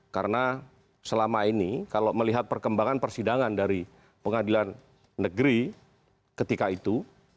karena selama ini kalau melihat perkembangan persidangan dari pengadilan negeri ketika itu